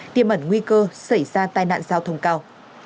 tiêm ẩn nguy cơ xảy ra tai nạn giao thông cao